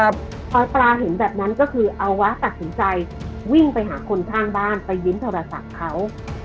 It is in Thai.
พอปลาเห็นแบบนั้นก็คือเอาวะตัดสินใจวิ่งไปหาคนข้างบ้านไปยิ้มโทรศัพท์เขา